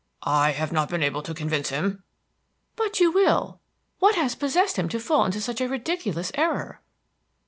"I have not been able to convince him." "But you will. What has possessed him to fall into such a ridiculous error?"